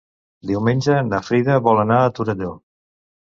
Diumenge na Frida vol anar a Torelló.